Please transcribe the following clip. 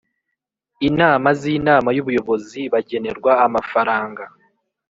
Inama z inama y ubuyobozi bagenerwa amafaranga